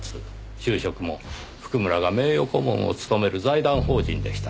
就職も譜久村が名誉顧問を務める財団法人でした。